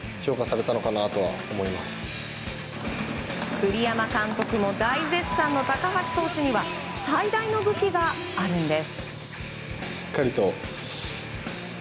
栗山監督も大絶賛の高橋投手には最大の武器があるんです。